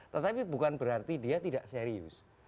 tetapi bukan berarti dia tidak serius